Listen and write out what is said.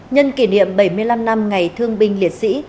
nhân kỷ niệm bảy mươi năm năm ngày thương binh liệt sĩ